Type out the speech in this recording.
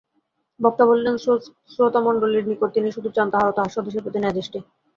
বক্তা বলেন, শ্রোতৃমণ্ডলীর নিকট তিনি শুধু চান তাঁহার ও তাঁহার স্বদেশের প্রতি ন্যায়দৃষ্টি।